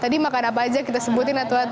tadi makan apa aja kita sebutin atau